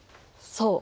そう。